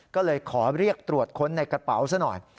ก็เลยขอเรียกตรวจค้นในกระเป๋าซะหน่อย